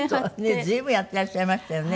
随分やってらっしゃいましたよね。